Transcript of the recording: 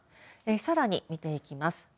さらに見ていきます。